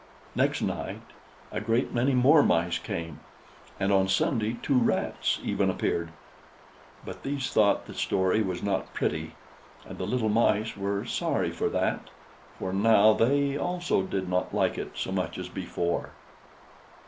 Next night a great many more Mice came, and on Sunday two Rats even appeared; but these thought the story was not pretty, and the little Mice were sorry for that, for now they also did not like it so much as before.